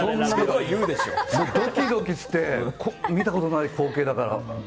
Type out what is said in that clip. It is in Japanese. もうドキドキして見たことない光景だから。